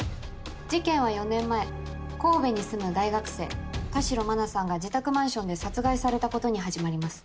事件は４年前神戸に住む大学生田代真菜さんが自宅マンションで殺害されたことに始まります。